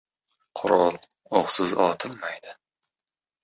• Qurol o‘qsiz otilmaydi.